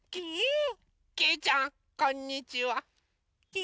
きいちゃんこんにちは。